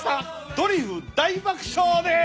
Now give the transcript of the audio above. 『ドリフ大爆笑』です。